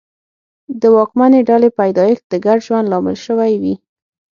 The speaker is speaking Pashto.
د واکمنې ډلې پیدایښت د ګډ ژوند لامل شوي وي.